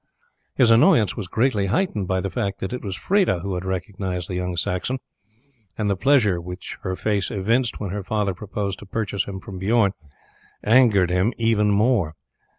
His annoyance was greatly heightened by the fact that it was Freda who had recognized the young Saxon, and the pleasure which her face evinced when her father proposed to purchase him from Bijorn angered him still more.